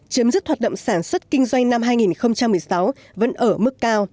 chấm dứt hoạt động sản xuất kinh doanh năm hai nghìn một mươi sáu vẫn ở mức cao